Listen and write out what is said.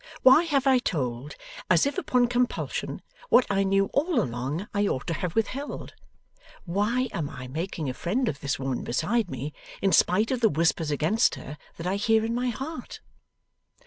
Why have I told, as if upon compulsion, what I knew all along I ought to have withheld? Why am I making a friend of this woman beside me, in spite of the whispers against her that I hear in my heart?